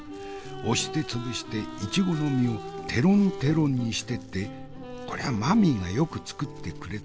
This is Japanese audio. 押して潰していちごの実をてろんてろんにしてってこりゃマミーがよく作ってくれた